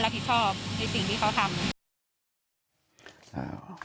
แม่โอเคเลยค่ะคืออยากให้เขามารับผิดชอบในสิ่งที่เขาทำ